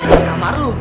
ini kamar lu